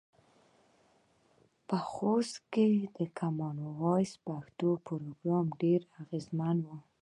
په خوست کې د کامن وایس پښتو پروګرام ډیر اغیزمن و.